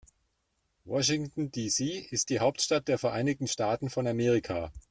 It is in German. Washington, D.C. ist die Hauptstadt der Vereinigten Staaten von Amerika.